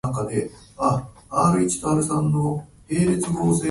どうして海の水はしょっぱいのかな。